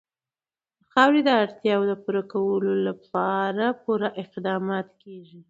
د خاورې د اړتیاوو پوره کولو لپاره پوره اقدامات کېږي.